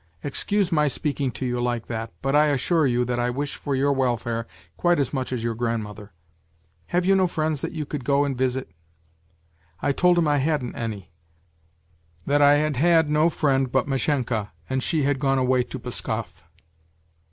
Excuse my speaking to you like that, but I assure you that I wish for your welfare quite as much as your grandmother. Have you no friends that you could go and visit ?'" I told him I hadn't any, that I had had no friend but Mashenka, and she had gone away to Pskov.